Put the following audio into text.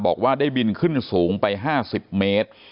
บอกว่าได้บินขึ้นสูงไป๕๐เมตร